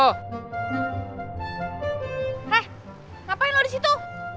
hei ngapain lo di situ